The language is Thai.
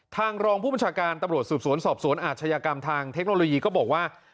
รองผู้บัญชาการตำรวจสืบสวนสอบสวนอาชญากรรมทางเทคโนโลยีก็บอกว่า